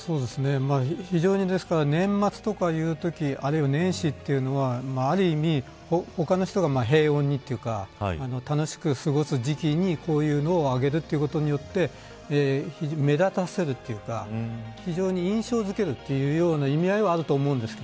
年末やあるいは年始というのはある意味、他の人が平穏にというか楽しく過ごす時期にこういうのを上げることによって目立たせるというか非常に印象づけるという意味合いはあると思います。